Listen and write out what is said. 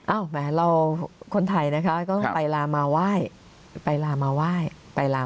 แหมเราคนไทยนะคะก็ต้องไปลามาไหว้ไปลามาไหว้ไปลา